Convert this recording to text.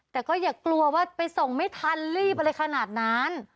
แต่ก็อย่ากลัวว่าไปส่งไม่ทันรีบอะไรขนาดนั้น